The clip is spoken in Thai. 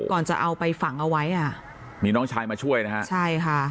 ก่อนจะเอาไปฝังเอาไว้อ่ะมีน้องชายมาช่วยนะฮะใช่ค่ะ